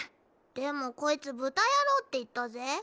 でもこいつ豚野郎って言ったぜ。